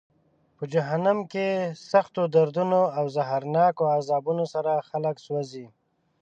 په جهنم کې د سختو دردونو او زهرناکو عذابونو سره خلک سوزي.